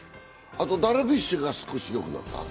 あとダルビッシュが少しよくなった？